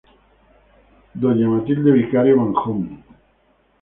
Dª Matilde Vicario Manjón.